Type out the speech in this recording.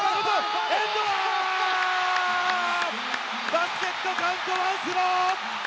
バスケットカウントワンスロー。